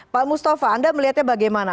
pak mustafa anda melihatnya bagaimana